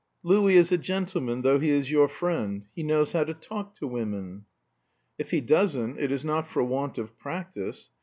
Louis is a gentleman, though he is your friend. He knows how to talk to women." "If he doesn't it is not for want of practice.